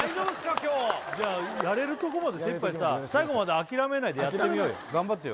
今日やれるとこまで精いっぱいさ最後まで諦めないでやってみよう頑張ってよ